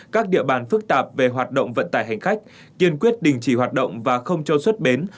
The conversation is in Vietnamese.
các địa bàn phức tạp về hoạt động vận tải hành khách kiên quyết đình chỉ hoạt động và không cho xuất bến